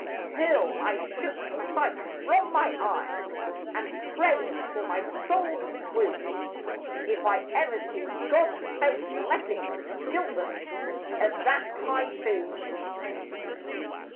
Till I shut the sight from my eyes And prayed for my soul to swoon: If ever I see God's face, let it Be guiltless of that typhoon!